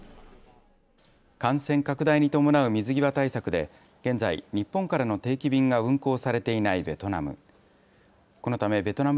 感染拡大に伴う水際対策で現在、日本からの定期便が運航されていないベトナム。